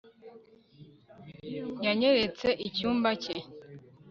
yanyeretse icyumba cye